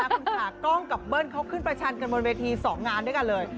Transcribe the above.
คุณขากล้องกับเบิ้ลเขาขึ้นประชันกันบนเวที๒งานด้วยกันเลย